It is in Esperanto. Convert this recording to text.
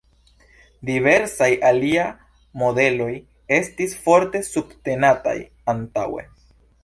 Diversaj alia modeloj estis forte subtenataj antaŭe.